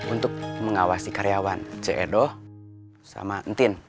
untuk mengawasi karyawan c edo sama ntin